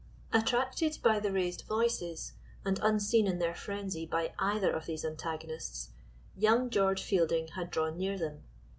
Attracted by the raised voices, and unseen in their frenzy by either of these antagonists, young George Fielding had drawn near them.